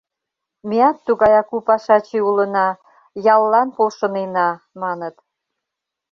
Меат тугаяк у пашаче улына — яллан полшынена, — маныт.